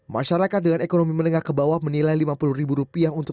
masyarakat dengan ekonomi menengah ke bawah menilai lima pabrik rokok